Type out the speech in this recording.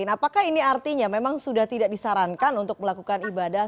apakah ini artinya memang sudah tidak disarankan untuk melakukan ibadah